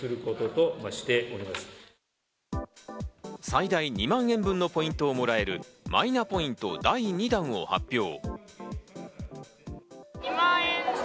最大２万円分のポイントをもらえるマイナポイント第２弾を発表。